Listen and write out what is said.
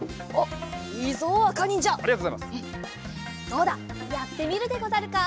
どうだやってみるでござるか？